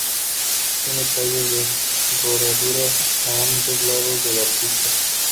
Tiene calles de rodadura a ambos lados de la pista.